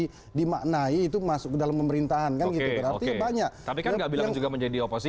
hai dimaknai itu masuk ke dalam pemerintahan ngaring spear banyak tapi gak bilang juga menjadi ouch